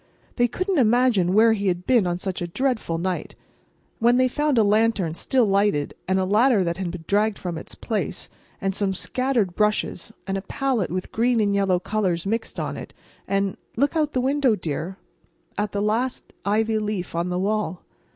They couldn't imagine where he had been on such a dreadful night. And then they found a lantern, still lighted, and a ladder that had been dragged from its place, and some scattered brushes, and a palette with green and yellow colors mixed on it, and—look out the window, dear, at the last ivy leaf on the wall.